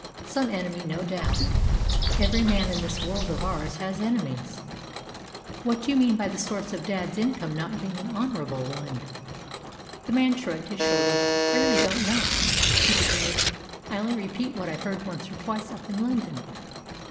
Some enemy, no doubt. Every man in this world of ours has enemies." "What do you mean by the source of dad's income not being an honourable one?" The man shrugged his shoulders. "I really don't know," he declared. "I only repeat what I've heard once or twice up in London."